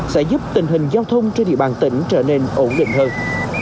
sẽ giúp tình hình giao thông trên địa bàn tỉnh trở nên ổn định hơn